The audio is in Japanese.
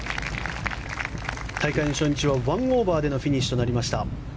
大会の初日は１オーバーでのフィニッシュとなりました。